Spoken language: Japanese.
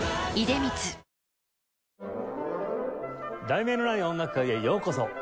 『題名のない音楽会』へようこそ。